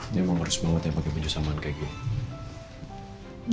ini emang harus bawa tempat pake benjol samaan kayak g